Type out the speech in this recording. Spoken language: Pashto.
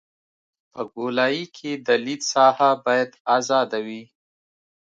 په ګولایي کې د لید ساحه باید ازاده وي